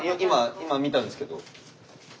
今見たんですけど。